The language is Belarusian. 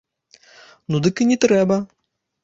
Ну, дык і не трэба.